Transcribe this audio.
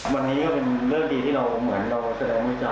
วันนี้ก็เป็นเรื่องดีที่เหมือนเราแสดงได้จ้ะ